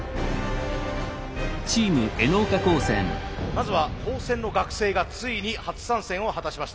まずは高専の学生がついに初参戦を果たしました。